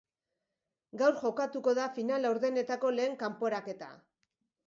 Gaur jokatuko da final-laurdenetako lehen kanporaketa.